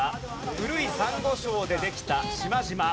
古いサンゴ礁でできた島々。